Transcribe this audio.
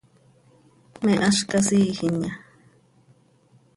¿Me áz casiijimya?